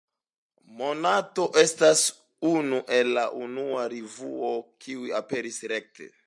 Monato estas unu el la unuaj revuoj, kiuj aperis rete.